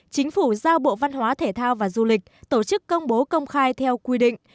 chính phủ giao bộ văn hóa thể thao và du lịch tổ chức công bố công khai theo quy định